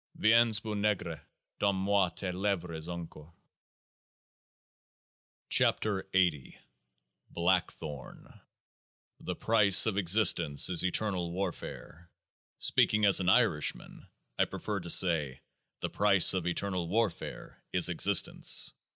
Viens, beau negre ! Donne moi tes levres encore ! 96 KEOAAH n BLACKTHORN The price of existence is eternal warfare. 39 Speaking as an Irishman, I prefer to say : The price of eternal warfare is existence.